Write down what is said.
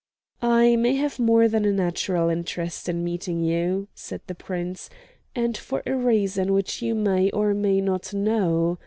"I have more than a natural interest in meeting you," said the Prince, "and for a reason which you may or may not know.